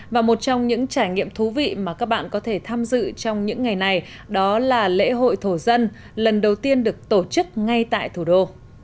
và một trong những trải nghiệm thú vị mà các bạn có thể tham dự trong những ngày này đó là lễ hội thổ dân lần đầu tiên được tổ chức ngay tại thủ đô